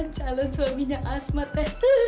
calon suaminya asmat ya